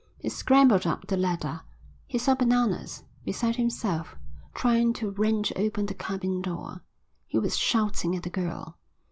He scrambled up the ladder. He saw Bananas, beside himself, trying to wrench open the cabin door. He was shouting at the girl.